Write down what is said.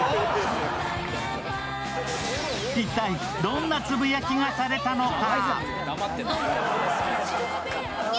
一体どんなつぶやきがされたのか？